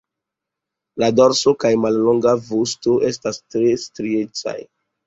La dorso kaj mallonga vosto estas tre striecaj.